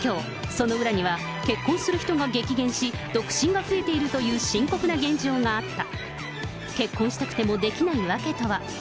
その裏には結婚する人が激減し、独身が増えているという深刻な現状があった。